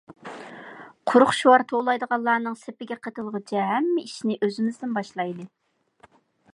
قۇرۇق شوئار توۋلايدىغانلارنىڭ سېپىگە قېتىلغۇچە ھەممە ئىشنى ئۆزىمىزدىن باشلايلى.